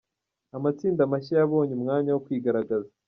Amatsinda mashya yabonye umwanya wo kwigaragaza.